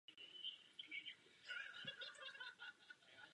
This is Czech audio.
Zde se také nachází hlavní vchod do pavilonu.